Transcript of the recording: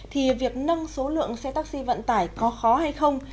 thì việc nâng số lượng xe taxi vận tải có khó hay không